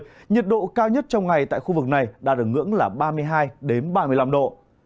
trong ba ngày tới nhiệt độ cao nhất trong ngày tại khu vực này đã được ngưỡng là ba mươi hai đến ba mươi năm độ